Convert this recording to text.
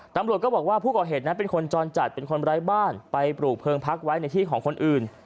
ตำรวจก็บอกว่าผู้ก่อเหตุนั้นเป็นคนจรจัดเป็นคนไร้บ้านไปปลูกเพลิงพักไว้ในที่ของคนอื่น